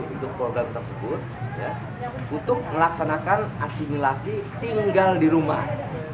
kita tidak memiliki program tersebut untuk melaksanakan asimilasi tinggal di rumah